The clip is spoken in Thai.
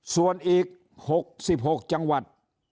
ส่วนอีก๖๖จังหวัด